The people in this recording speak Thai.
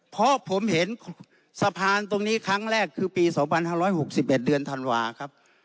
เพราะผมเห็นสะพานตรงนี้ครั้งแรกคือปี๒๕๖๑เดือนธันวาครับ